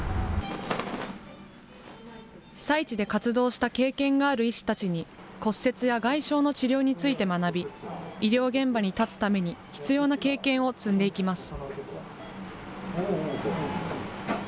被災地で活動した経験のある医師たちに、骨折や外傷の治療について学び、医療現場に立つために必要な経験を積んでいきます。